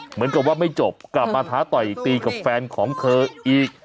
เหมือนกับว่าไม่จบกลับมาท้าต่อยตีกับแฟนของเธออีก